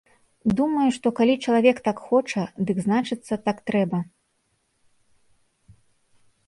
Думаю, што калі чалавек так хоча, дык значыцца, так трэба.